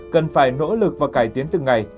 cần phải nỗ lực và cải tiến từng ngày